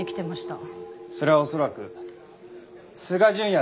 それは恐らく須賀純也